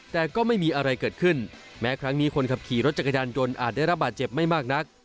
แต่ก็ไม่มีอะไรเกิดขึ้นแม้ครั้งนี้คนขับขี่รถจักรยานยนต์อาจได้รับบาดเจ็บไม่มากนัก